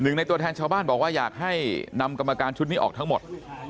ในตัวแทนชาวบ้านบอกว่าอยากให้นำกรรมการชุดนี้ออกทั้งหมด